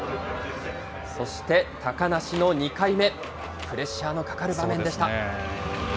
そして高梨の２回目、プレッシャーのかかる場面でした。